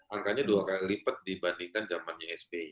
angkanya dua kali lipat dibandingkan zamannya sby